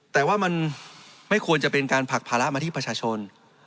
แต่ว่ามันไม่ควรจะเป็นการผลักภาระมาที่ประชาชน